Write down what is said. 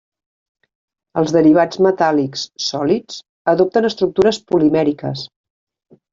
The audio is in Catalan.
Els derivats metàl·lics sòlids adopten estructures polimèriques.